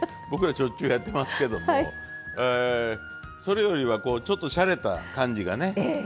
僕らしょっちゅうやってますけどもそれよりはこうちょっとしゃれた感じがね